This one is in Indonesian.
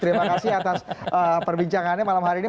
terima kasih atas perbincangannya malam hari ini